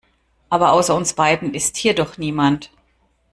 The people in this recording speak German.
Aber außer uns beiden ist hier doch niemand.